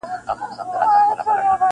پلار په دوی او دوی په پلار هوسېدلې -